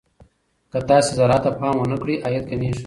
که تاسي زراعت ته پام ونه کړئ، عايد کمېږي.